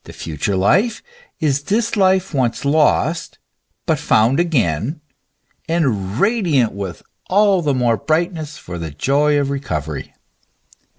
181 future life is this life once lost, but found again, and radiant with all the more brightness for the joy of recovery.